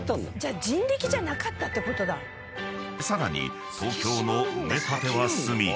［さらに東京の埋め立ては進み